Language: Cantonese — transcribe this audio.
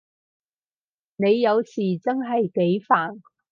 你有時真係幾煩